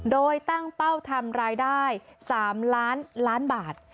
โดยตั้งเป้าทำรายได้๓ล้านล้านบาท